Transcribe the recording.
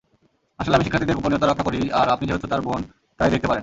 আসলে আমি শিক্ষার্থীদের গোপনীয়তা রক্ষা করি আর আপনি যেহেতু তার বোন তাই দেখতে পারেন।